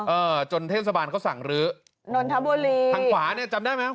เออจนเทศบาลเขาสั่งรื้อนนทบุรีทางขวาเนี่ยจำได้ไหม